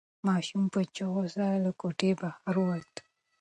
ماشوم په چیغو سره له کوټې بهر ووت.